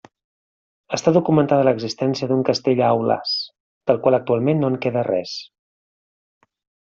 Està documentada l'existència d'un castell a Aulàs, del qual actualment no en queda res.